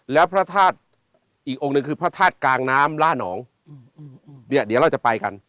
แล้วพระธาตุอีกองค์หนึ่งคือพระธาตุกลางน้ำล่านองเนี่ยเดี๋ยวเราจะไปกัน